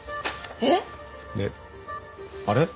えっあれ？